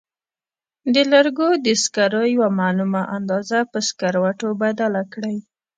د لرګو د سکرو یوه معلومه اندازه په سکروټو بدله کړئ.